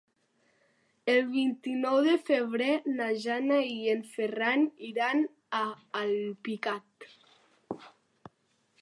El vint-i-nou de febrer na Jana i en Ferran iran a Alpicat.